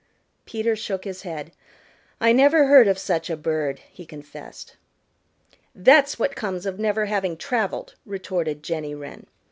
Peter shook his head. "I never heard of such a bird," he confessed. "That's what comes of never having traveled," retorted Jenny Wren.